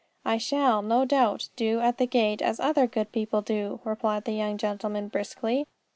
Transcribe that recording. "I shall, no doubt, do at the gate as other good people do," replied the young gentleman briskly.